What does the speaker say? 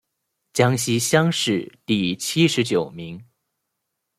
江西乡试第七十九名。